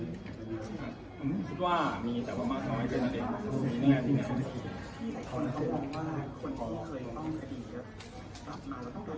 มันก็คือเรากว่าคือจริงตัวผมเนี่ยก็ทุนสำนักถึงมากก็ดีเลยนะครับ